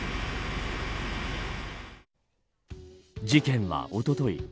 事件は、おととい